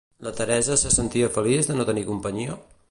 La Teresa se sentia feliç de no tenir companyia?